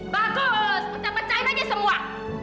bagus pecah pecahin aja semua